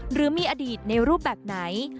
หรือมีอดีตในรูปแบบไหน